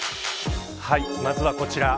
まずはこちら。